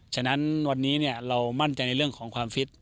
ฉะนั้นวันนี้เรามั่นใจในเรื่องของความฟิต